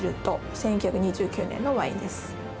１９２９年のワインです